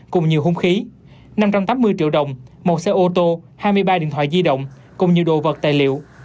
cùng nhiều hung khí năm trăm tám mươi triệu đồng một xe ô tô hai mươi ba điện thoại di động cùng nhiều đồ vật tài liệu